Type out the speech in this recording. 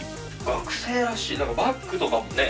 学生らしいバッグとかもね